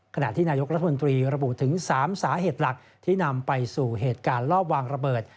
ขณะที่นายกรัฐมนตรีระบุถึง๓สาเหตุหลักที่นำไปสู่เหตุการณ์ลอบวางระเบิด